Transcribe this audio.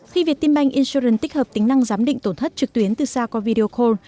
khi việt tim banh insuran tích hợp tính năng giám định tổn thất trực tuyến từ xa qua video call